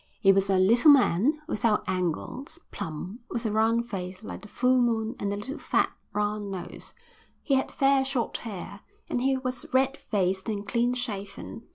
He was a little man, without angles, plump, with a round face like the full moon and a little fat round nose. He had fair short hair, and he was red faced and clean shaven.